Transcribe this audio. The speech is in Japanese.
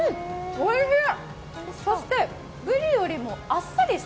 おいしーい。